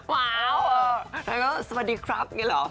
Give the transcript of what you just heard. ว้าวแล้วก็สวัสดีครับอย่างนี้เหรอ